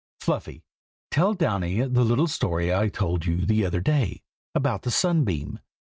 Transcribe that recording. Fluffy, tell Downy the little story I told you the other day, about the sunbeam.